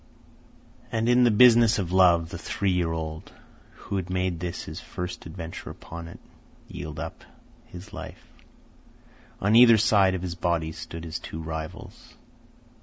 And in the business of love the three year old, who had made this his first adventure upon it, yielded up his life. On either side of his body stood his two rivals.